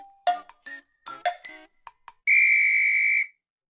ピッ！